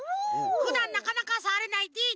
ふだんなかなかさわれない